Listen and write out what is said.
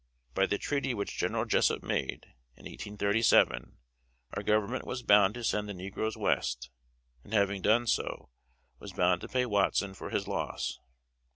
By the treaty which General Jessup made, in 1837, our Government was bound to send the negroes West, and having done so, was bound to pay Watson for his loss.